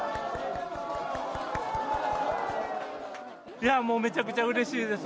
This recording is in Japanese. いやもう、めちゃくちゃうれしいです。